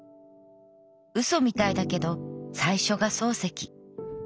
嘘みたいだけど最初が漱石。